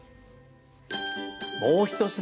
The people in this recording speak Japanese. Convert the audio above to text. もう１品。